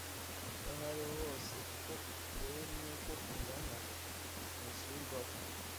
We aho uri hose uko uteye n’ uko ungana ntibisubirwaho